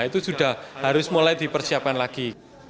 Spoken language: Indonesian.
itu sudah harus mulai dipersiapkan lagi